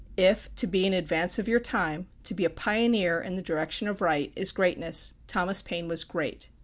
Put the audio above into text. If to be in advance of your time, to be a pioneer in the direction of right, is greatness, Thomas Paine was great.